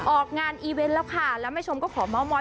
ออกงานอีเวนท์แล้วแล้วแม่แชมป์ก็ขอเมาเมาย